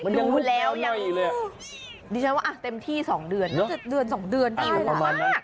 ดูแล้วยังดิฉันว่าเต็มที่๒เดือนประมาณนั้น